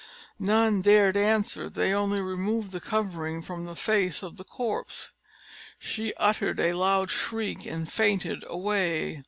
None dared answer; they only removed the covering from the face of the corpse. She ottered a loud shriek, and fainted away.